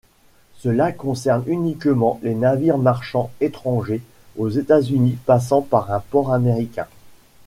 Cela concerne uniquement les navires marchands étrangers aux États-Unis passant par un port américain.